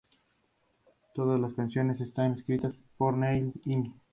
Todas las canciones están escritas por Neil Innes.